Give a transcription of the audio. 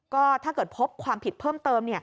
ก็ถ้าเกิดพบความผิดเพิ่มเติม